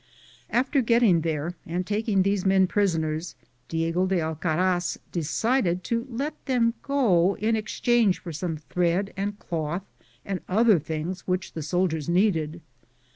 After getting there and taking these men prisoners, Diego de Alcaraz decided to let them go in exchange for some thread and cloth and other things which the soldiers needed.